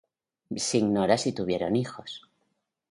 Se ignora si tuvieron hijos.